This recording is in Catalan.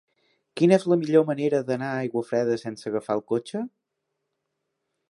Quina és la millor manera d'anar a Aiguafreda sense agafar el cotxe?